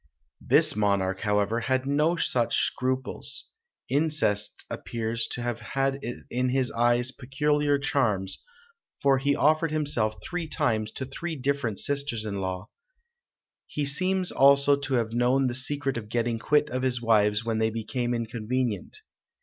This monarch, however, had no such scruples. Incest appears to have had in his eyes peculiar charms; for he offered himself three times to three different sisters in law. He seems also to have known the secret of getting quit of his wives when they became inconvenient.